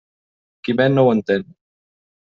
Quimet no ho entén.